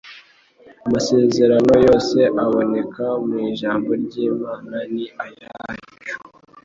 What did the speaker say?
Amasezerano yose aboneka mu Ijambo ry’Imana ni ayacu”.